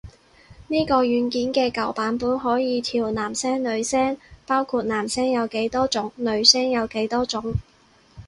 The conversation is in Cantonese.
呢個軟件嘅舊版本可以調男聲女聲，包括男聲有幾多種女聲有幾多種